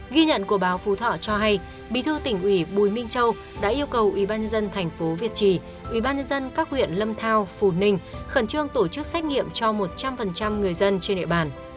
ghi nhận của báo phú thọ cho hay bí thư tỉnh ủy bùi minh châu đã yêu cầu ubnd tp việt trì ubnd các huyện lâm thao phù ninh khẩn trương tổ chức xét nghiệm cho một trăm linh người dân trên địa bàn